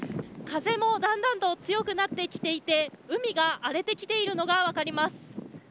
風も、だんだんと強くなってきていて海が荒れてきているのが分かります。